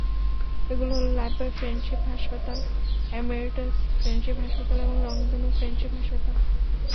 এগুলো হলো Lifebuoy friendship হাসপাতাল, এমিরেটস ফ্রেন্ডশিপ হাসপাতাল এবং রংধনু ফ্রেন্ডশিপ হাসপাতাল।